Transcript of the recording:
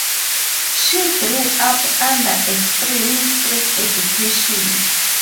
She grew up under extremely strict education.